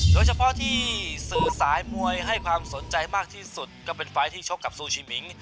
โดยเฉพาะที่สื่อสายมวยให้ความสนใจมากที่สุดก็เป็นไฟล์ที่ชกกับซูชิมิง